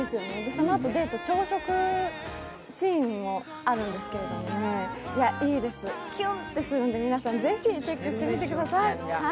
そのあと、デート、朝食シーンもあるんですけど、いいです、キュンってするんで皆さんぜひチェックしてみてください。